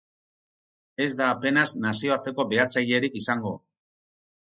Ez da apenas nazioarteko behatzailerik izango.